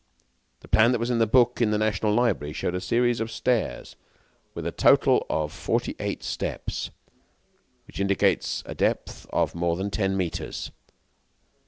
The plan that was in the book in the National Library showed a series of stairs with a total of forty eight steps, which indicates a depth of more than ten meters.